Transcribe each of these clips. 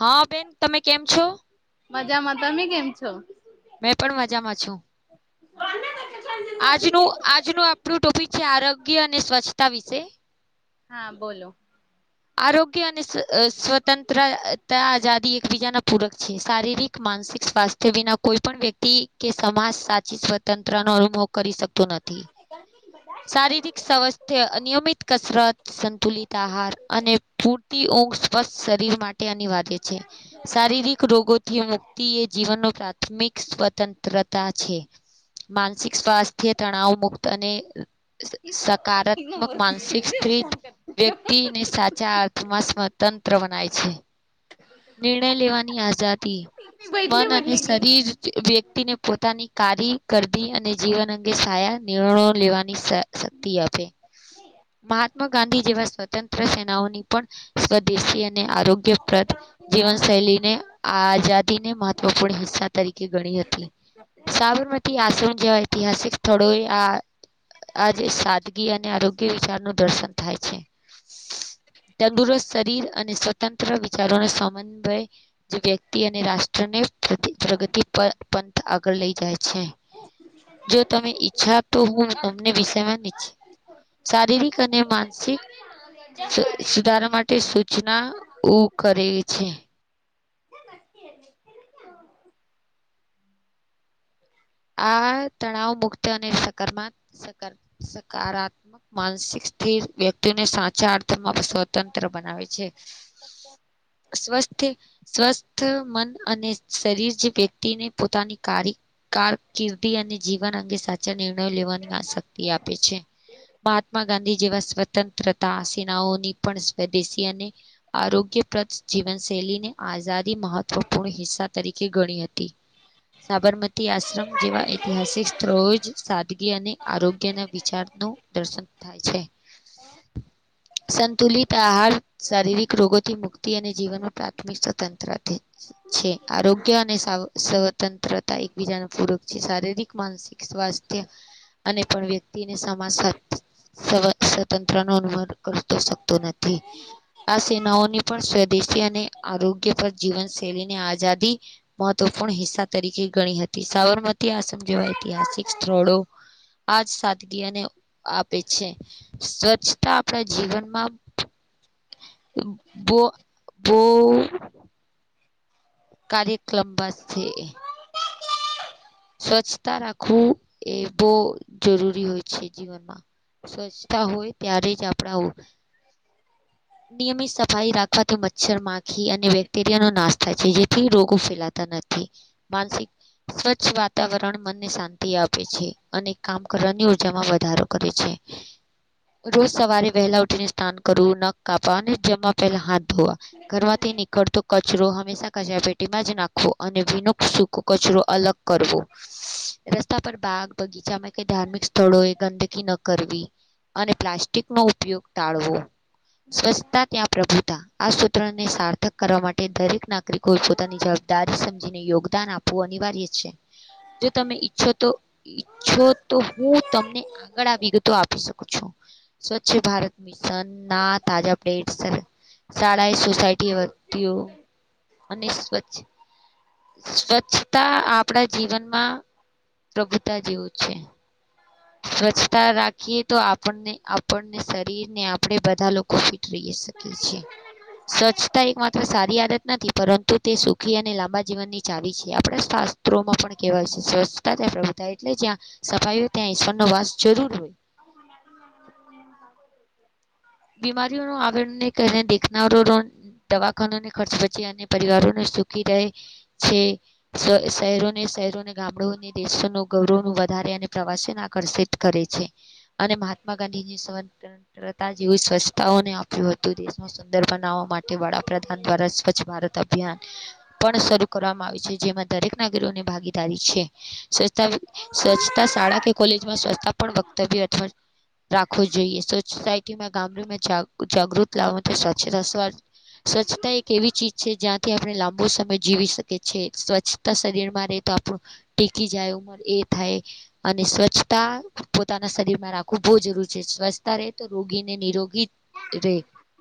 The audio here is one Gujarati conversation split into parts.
હા બેન તમે કેમ છો? મજામાં તમે કેમ છો? મેં પણ મજામાં છું આજનું આજનું આપણું ટોપિક છે આરોગ્ય અને સ્વચ્છતા વિશે. હા બોલો આરોગ્ય અને સ્વતંત્રતા આઝાદી એકબીજાના પૂરક છે શારીરિક માનસિક સ્વાસ્થ્ય તે વિના કોઈ પણ વ્યક્તિ કે સમાજ સાચી સ્વતંત્ર નો અનુભવ કરી શકતો નથી. શારીરિક સ્વાસ્થ્ય અનિયમિત કસરત સંતુલિત આહાર. અને પૂરતી ઉંઘ સ્પ શરીર માટે અનિવાર્ય છે શારીરિક રોગોથી મુક્તિ એ જીવન ની પ્રાથમિક સ્વતંત્રતા છે. માનસિક સ્વાસ્થ્ય તણાવ મુક્ત અને સકારાત્મક માનસિક સ્થિત વ્યક્તિને સાાચા અર્થ મા સ્વતંત્ર બનાવે છે. નિર્ણય લેવાની આઝાદી બદલે મન અને બદલે ગે શરીર વ્યતિ વ્યતિને પોતાની કારી ગરદી અને જીવન અંગે સાયા નિર્ણયો લેવાની શક્તિ આપે, મહાત્મા ગાંધી જેવા સ્વતંત્ર તંત્ર સેનાઓની પણ સ્વદેશી અને આરોગ્યપ્રદ જીવન શૈલીને આઝાદી ને મહત્વપૂર્ણ હિસ્સા તરીકે ગણી હતી. સાબરમતી આશ્રમ જેવા ઐતિહાસિક સ્થળોએ આ આજ સાદગી અને આરોગ્ય કે વિચારનું દર્શન થાય છે. [unintelligible] તંદુરસ્ત શરીર અને સ્વતંત્ર વિચારોને સમન્વય જે વ્યક્તિ અને રાષ્ટ્ર તને પ્રતિ પ્રગતિ પર પંથ આગળ લઈ જાય છે. જો તમે ઈચ્છા આપ તો હું તમને વિષય માં નીચ શારીરિક અને માનસિક સુધાર માટે સૂચના ઓ કરે છે. આ તણાવ મુક્ત અને સકારમા સકાર સકારાત્મક માનસિક સ્થિર વ્યક્તિ તેને સાચા અર્થમાં સ્વતંત્ર બનાવે છે. સ્વસ્થ સ્વસ્થ મન અને શરીર જે વ્યક્તિને પોતાની કારી કારકિર્દી અને જીવન અંગે સાચા નિર્ણયો લેવાની આશક્તિ આપે છે. મહાત્મા ગાંધી જેવા સ્વતંત્રતા સેનાઓની પણ સ્વદેશી અને આરોગ્યપ્રદ જીવનશૈલી ને આઝાદ મહત્વપૂર્ણ હિસ્સા તરીકે ગણી હતી સાબરમતી તે આશ્રમ જેવા ઐતિહાસિક સ્થળોએ જ સાદગી અને આરોગ્ય ના વિચાર નું દર્શન થાય છે. સંતુલિત આહાર શારીરિક રોગોથી મુક્તિ અને જીવનમાં પ્રાથમિક સ્વતંત્ર છે આરોગ્ય અને સ્વતંત્રતા બીજાના પૂરક છે શારીરિક માનસિક સ્વાસ્થ્ય અને પણ વ્યક્તિને સમાજ સાથે સ્વતંત્ર નો કરતો શકતો નથી આ સેનાઓની પણ સ્વદેશી અને આરોગ્ય પર જીવન શૈલીને આઝાદી મહત્વપૂર્ણ હિસ્સા તરીકે ગણી હતી, સાબરમતી આશ્રમ જેવા ઐતિહાસિક સ્થળો આજ સાદગીને આપે છે. સ્વચ્છતા આપણા જીવનમાં બો બો કાર્યક્રમ બસ છે એ સ્વચ્છતા રાખવું એ બહુ જરૂરી હોય છે જીવનમાં સ્વચ્છતા હોય ત્યારે જ આપણા નિયમિત સફાઈ રાખવાથી મચ્છર, માખી અને બેક્ટેરિયાનો નાશ થાય છે. જેથી રોગો ફેલાતા નથી. માનસિક સ્વચ્છ વાતાવરણ મનને શાંતિ આપે છે અને કામ કરવાની ઉર્જામાં વધારો કરે છે. રોજ સવારે વહેલા ઉઠી ને સ્નાન કરવું ન કાપા અને જમવા પેલા હાથ, ધોવા ઘરમાથી નીકળતુ કચરો હંમેશા કચરા પેટીમાં જ નાખવો અને ભીનો સુકો કચરો અલગ કરવો રસ્તા પર બાગ બગીચામાં ધાર્મિક સ્થળો એ ગંદકી ન કરવી અને પ્લાસ્ટિક નો ઉપયોગ ટાળવો સ્વચ્છતા ત્યાં પ્રભુતા આ સૂત્રને સાર્થક કરવા માટે દરેક ના નાગરિક પોતાની જવાબદારી સમજીને યોગદાન આપવું અનિવાર્ય છે. જો તમે ઈચ્છો તો ઈચછો તો હું તમને આગળ આ વિગતો આપી શકું છુ. સ્વચ્છ ભારત મિશન નાથ તાજા અપડેટ શાળાએ સોસાયટી વતીુ અને સ્વચ્છ સ્વચ્છતા આપણા જીવનમા પ્રભુતા જેવું છે. સ્વચ્છતા રાખીએ તો આપણને આપણને શરીરને આપણે બધા લોકો ફિટ રહીએ શકીએ કેી છે. સ્વચ્છતા એક માત્ર સારી આદત નથી પરતુ તે સુખી અને લાંબા જીવનની ચાવી છે, આપણે ત્રોમાં પણ કહેવાય છે સ્વચ્છતા ત્યાં પ્રભુતા એટલે જ્યાં સફાઈ હોય, ત્યા ઈશ્વર નો વાસ જરૂર હોય. [unintelligible] બીમારીઓ ન આવેને ક દેખનારો દવાખાનોને ખર્ચ પછી અને પરિવારોને સુખી રહે છે. શહેરોને શહેરોને ગામડોને દેશોનું ગૌરવ ન વધારે અને પ્રવાસેને આકર્ષિત કરે છે, અને મહાત્મા ગાંધીની સ્વતંત્રતા જેવીું સ્વચ્છતાઓને આયુ હતુ. દેશમાં સુંદર બનાવવા માટે વડાપ્રધાન દ્વારા સ્વચ્છ ભારત અભિયાન પણ શરૂ કરવામાં આવી છે, જેમાં દરેક નાગરીની ભાગીદારી છે. સ્વચ્છતા શાળા કે કોલેજમાં સ્વચ્છતા પણ વક્તવ્ય અથવા રાખવો જોઈએ સોસાયટીમા ગામડામાં જાગૃત લાવવા માટે સ્વચ્છતા સ્ સ્વચ્છતા એક એવી ચીજ છે, જ્યાંથી આપણે લાંબો સમય જીવી શકી છીએ સ્વ્છ શરીર માં ર રહે તો આપણું ટેકી જાય ઉમર એ થાય અને સ્વચ્છતા પોતાના શરીર માં રાખવું બહુ જરૂરી છે, સ્વચ્છતા રહે તો રોગીને નિરોગી રે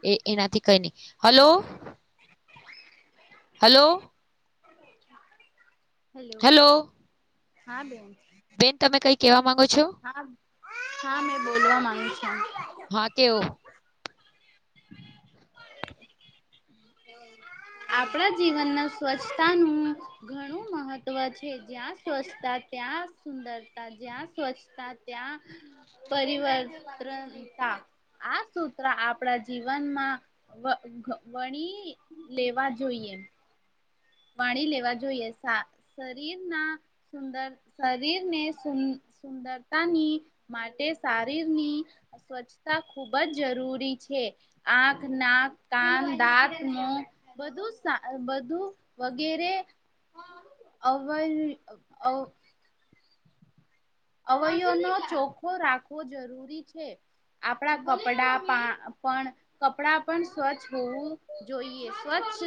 એ એનાથી કઈ નહી હલો. હલો હેલો હલો હા બેન બેન તમે કઈ કેવા માંગો છો હા હા મેં બોલવા માંગુ છુ. કેવ હ આપણા જીવન ના સ્વચ્છતાનુ ઘણું મહત્વ છે, જ્યાં સ્વચ્છતા ત્યાં સુંદરતા જ્યાં સ્વચ્છ ત્યાં પરિવર્તનતા આ સૂત્ર આપણા જીવનમા વણી લેવા જોઈએમ વાણી લેવા જોઈએ શરીરના સુંદર શરીર ને સુંદરતાની માટે શારીરની સ્વચ્છતા ખુબ જ જરૂરી છે. આંખ નાક કાન દાંત ન બધું બધુ વગેરે અ અવયવ નો ચોખો રાખવો જરૂરી છે. આપણા કપડા પા પણ કપડાં પણ સ્વચ્છ હોવુ, જોઈએ સ્વચ્છ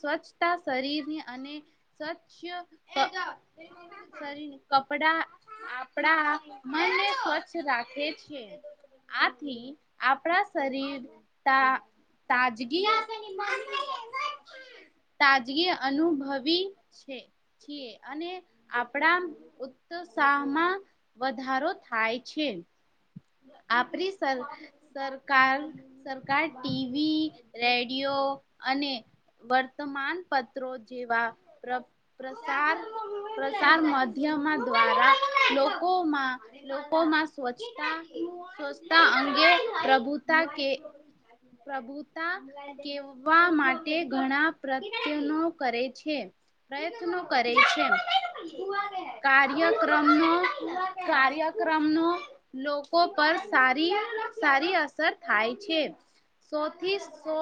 સ્વચ્છતા શરીરની અને સ્વચ્છય સરી કપડા આપડા મનને સ્વચ્છ રાખે છે. આથી આપણા શરીર તા તાજગી [unintelligible] તાજગી અનુભવી છે. છીએ, અને આપણા ઉત્ત સાહમાં વધારો થાય છે, આપણી સર સરકાર સરકાર ટીવી રેડિયો અને વર્તમાન પત્રો જેવા રગ પ્રસાર પ્રસાર માધ્યમાંથી [inaudible] લોકો માં લોકોમાં સ્વચ્છતા, સ્વચ્છતા અંને પ્રભુતા કે પ્રભુતા કેવવા માટે ઘણા પ્રત્યનો કરે છે. પ્રયત્નો કરે છે. કાર ર્યક્રમ નો, કાર્યક્રમ નો લોકો પર સારી, સારી અસર થાય છે. સૌથી સો,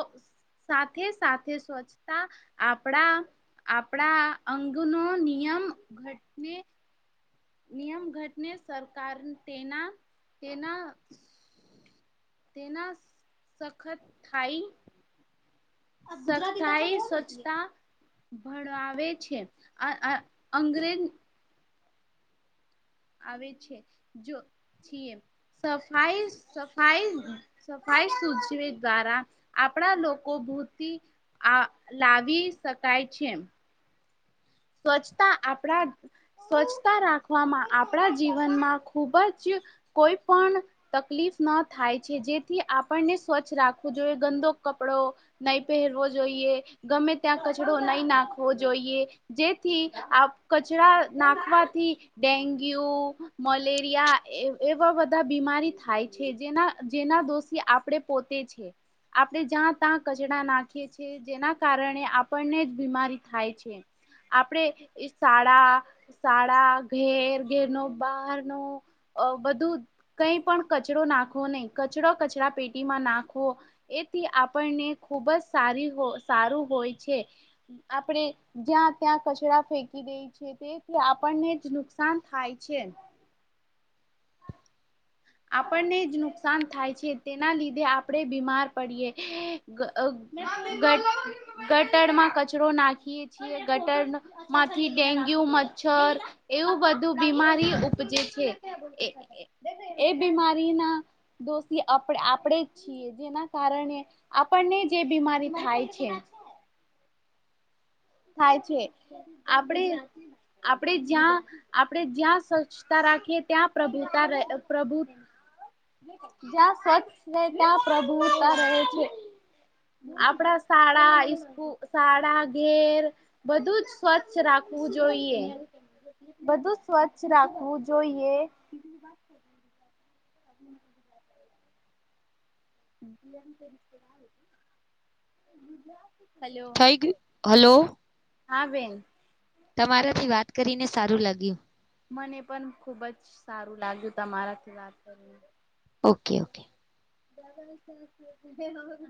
સાથે સાથે સ્વચતા આપડા આપણા અંગનો નિયમ ઘટને નિયમ ઘટને સરકાર તેના, તેના તેના સખત થાય સથાઈ સ્વચ્છતા ભણાવે છે, આ આ અંગ્રેન આવે છે, જો છીએ, સફાઈસ સફાઈ સફાઈ સુચવે દ્વારા, આપણા લોકો ભૂતી આ લાવી શકાય છે એમ. સ્વચ્છતા આપડા સ્વચ્છતા રાખવામાં આપણા જીવનમાં ખુબજ કોઈ પણ તકલીફ ન થાય છે, જેથી આપણને સ્વચ્છ રાખવું જોઈએ, ગંદો કપડો નહી પહેરવો જોઈએ, ગમે ત્યાં કચડો નહી નાખવો જોઈએ. જેથી આપ કચરા નાખવાથી ડેન્ગ્યુ, મલેરિયા એ એવા બધા બીમારી થાય છે, જેના અ જેના દોષ સી આપડે પોતે છે. આપણે જ્યાં ત્યાં કચડા નાખીએ છીએ, જેના કારણે આપણને જ બીમારી થાય છે. આપડે ઇ શાળા, શાળા, ઘેર, ઘેરનો બહાર નો અ બધું કઈ પણ કચરો નાખવો નહી, કચરો કચરા પેટીમાં નાખવો. એથી આપણને ખૂબ જ સારી હો, સારું હોય છે, આપણે જ્યાં ત્યાં કચરા ફેંકી દે છે, તેથી આપણને જ નુકસાન થાય છે. આપણને જ નુકસાન થાય છે, તેના લીધે આપણે બીમાર પડીએ. ગ અ ગટ ગટર માં કચરો નાખીએ છીએ, ગટર નો માંથી ડેન્ગ્યુ મચ્છર, એવું બધું બીમારી ઉપજે છે. એ એ એ બીમારીના દોષી આપ આપડેજ છીએ, જેના કારણે આપણને જે બીમારી થાય છે. થાય છે, આપણે આપડે જ્યાં આપડે જ્યાં સ્વચ્છતા રાખીએ, ત્યાં પ્રભુતા રે પ્રભુ જ્યાં સ્વચ્છ રહે, ત્યાં પ્રભુતા રહે છે. આપડા શાડા, ઇકૂ, શાળા, ઘેર બધુંજ સ્વચ્છ રાખવું જોઈએ. બધું સ્વચ્છ રાખવું જોઈએ. [inaudible] હલો. થઈ હલો. હા બેન. તમારાથી વાત કરીને સારું લાગ્યું. મને પણ ખુબ જ સારું લાગ્યું તમારાથી વાત કરી ને. ઓકે ઓકે બ [inaudible]